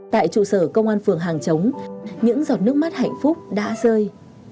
tại trụ sở công an phường hàng chống những giọt nước mắt hạnh phúc đã rơi